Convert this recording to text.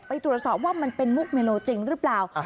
ไปตรวจสอบว่ามันเป็นมุกเมโลจริงหรือเปล่า